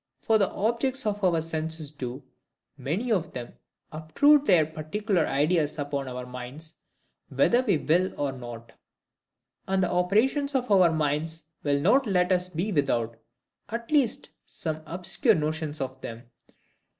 For the objects of our senses do, many of them, obtrude their particular ideas upon our minds whether we will or not; and the operations of our minds will not let us be without, at least, some obscure notions of them.